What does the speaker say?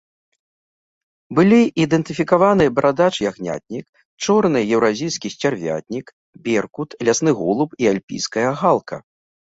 Былі ідэнтыфікаваны барадач-ягнятнік, чорны еўразійскі сцярвятнік, беркут, лясны голуб і альпійская галка.